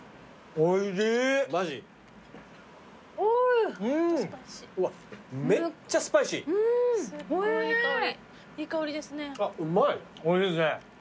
おいしいですね。